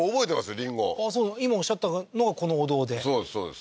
りんご今おっしゃったのがこのお堂でそうです